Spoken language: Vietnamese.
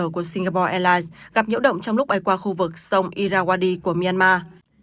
của singapore airlines gặp nhiễu động trong lúc bay qua khu vực sông iraquadi của myanmar